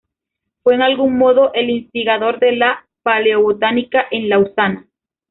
Fue en algún modo el instigador de la paleobotánica en Lausana.